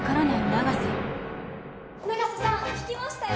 永瀬さん聞きましたよ。